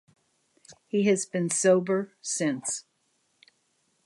He has been sober since.